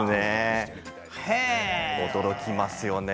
驚きますね。